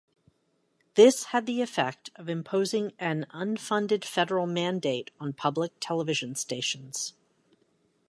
This had the effect of imposing an unfunded federal mandate on public television stations.